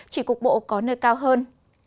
chỉ cục bộ có nơi cao hơn